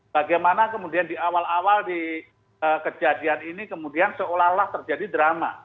bagaimana kemudian di awal awal di kejadian ini kemudian seolah olah terjadi drama